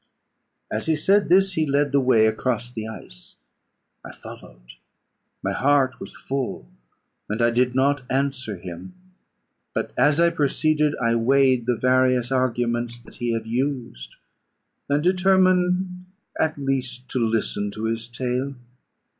As he said this, he led the way across the ice: I followed. My heart was full, and I did not answer him; but, as I proceeded, I weighed the various arguments that he had used, and determined at least to listen to his tale.